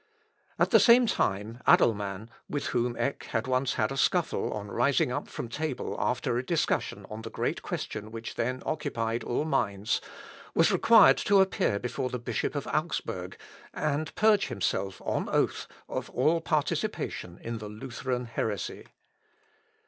At the same time Adelman, with whom Eck had once had a scuffle on rising up from table after a discussion on the great question which then occupied all minds, was required to appear before the bishop of Augsburg and purge himself on oath of all participation in the Lutheran heresy.